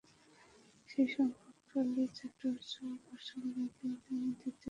সেই সংকটকালেই চাটুজ্যে ও ঘোষাল এই দুই নামে দ্বিতীয়বার ঘটল দ্বন্দ্বসমাস।